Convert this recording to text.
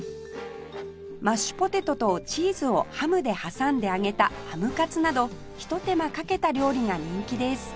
マッシュポテトとチーズをハムで挟んで揚げたハムカツなどひと手間かけた料理が人気です